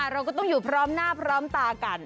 เราก็ต้องอยู่พร้อมหน้าพร้อมตากัน